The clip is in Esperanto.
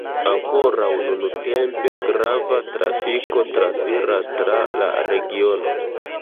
Ankoraŭ nuntempe grava trafiko transiras tra la regiono.